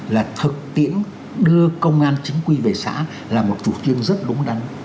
là thực tiễn đưa công an chính quy về xã là một chủ trương rất đúng đắn